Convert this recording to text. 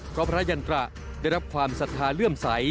เพราะพระยันตระได้รับความศรัทธาเลื่อมใส